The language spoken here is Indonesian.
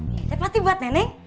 ini pasti buat nenek